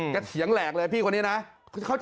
เถียงแหลกเลยพี่คนนี้นะ